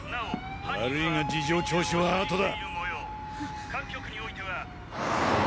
悪いが事情聴取はあとだ。